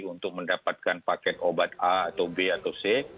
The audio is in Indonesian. untuk mendapatkan paket obat a atau b atau c